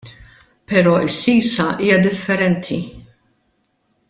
Però s-sisa hija differenti.